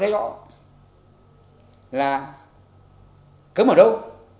cấm xe máy là cấm ở đâu